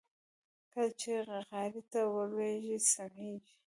کله چې غاړې ته ولوېږي سميږي.